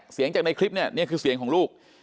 เสียงจากในคลิปเนี่ยนี่คือเสียงของลูก